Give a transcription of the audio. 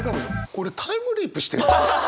俺タイムリープしてる？